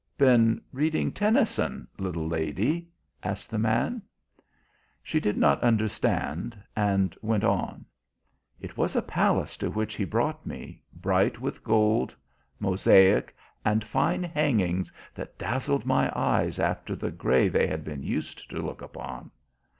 "Been reading Tennyson, little lady?" asked the man. She did not understand, and went on: "It was a palace to which he brought me, bright with gold, mosaic and fine hangings that dazzled my eyes after the grey they had been used to look upon.